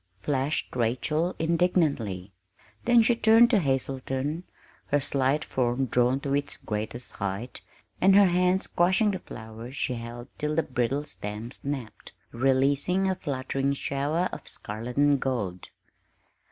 flashed Rachel indignantly. Then she turned to Hazelton, her slight form drawn to its greatest height, and her hands crushing the flowers, she held till the brittle stems snapped, releasing a fluttering shower of scarlet and gold.